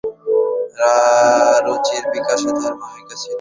বলতে গেলে, বাংলাদেশের নাগরিক দৃশ্য রুচির বিকাশে তাঁর ভূমিকাই ছিল প্রধান।